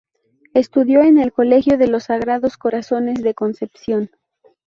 Estudió en el Colegio de los Sagrados Corazones de Concepción.